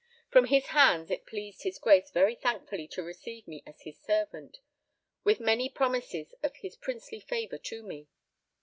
From his hands it pleased his Grace very thankfully to receive me as his servant, with many promises of his princely favour to me.